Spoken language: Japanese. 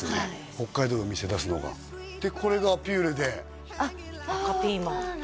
北海道に店出すのがでこれがピューレであっ赤ピーマンああ